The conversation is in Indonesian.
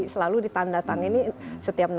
selalu ditandatangani setiap